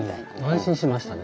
安心しましたね